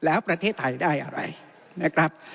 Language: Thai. แล้วประเทศไทยได้อะไรนะครับ